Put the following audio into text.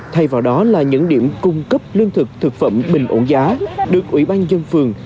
thay vào đó là những điểm cung cấp lương thực thực phẩm bình ổn giá được ủy ban dân phường